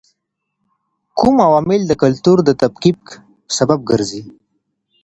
کوم عوامل د کلتور د تفکیک سبب ګرځي؟